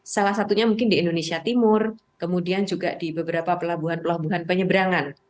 salah satunya mungkin di indonesia timur kemudian juga di beberapa pelabuhan pelabuhan penyeberangan